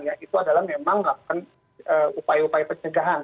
ya itu adalah memang melakukan upaya upaya pencegahan